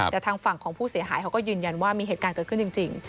แต่ทางฝั่งของผู้เสียหายเขาก็ยืนยันว่ามีเหตุการณ์เกิดขึ้นจริง